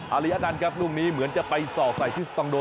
อารีอะตันครับร่วมนี้เหมือนจะไปสอบใส่ฟิสตองโด